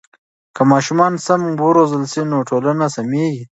که ماشومان سم و روزل سي نو ټولنه سمیږي.